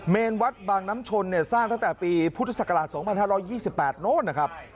เมรินิวัฒน์บางน้ำชนเนี่ยสร้างตั้งแต่ปีพุทธศักราชสองพันห้าร้อยยี่สิบแปดโน้นนะครับ